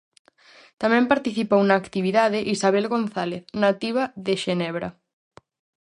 Tamén participou na actividade Isabel González, nativa de Xenebra.